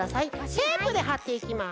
テープではっていきます。